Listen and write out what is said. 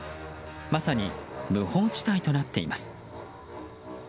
まさに、無法地帯となっています。